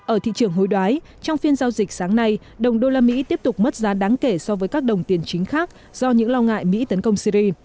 ở thị trường hối đoái trong phiên giao dịch sáng nay đồng đô la mỹ tiếp tục mất giá đáng kể so với các đồng tiền chính khác do những lo ngại mỹ tấn công syri